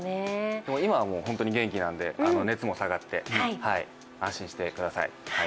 今はもう本当に元気なので熱も下がって、安心してください。